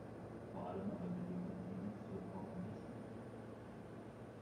Vor allem aber bewegte die Gebietsreform in Hessen die Bürger.